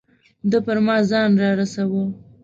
ده پر ما ځان را رساوه.